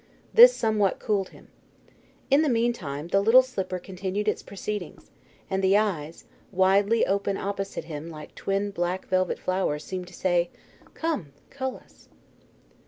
This somewhat cooled him. In the meantime the little slipper continued its proceedings, and the eyes, widely open opposite him like twin black velvet flowers, seemed to say: "Come, cull us!"